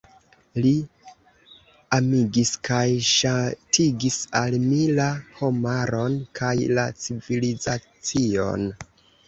Li amigis kaj ŝatigis al mi la homaron kaj la civilizacion.